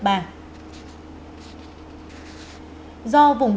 do vùng biển đông nam